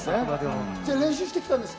練習してきたんですか？